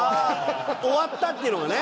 終わったっていうのがね。